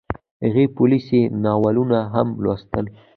هغې پوليسي ناولونه هم لوستل